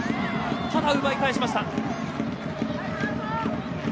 ただ奪い返した。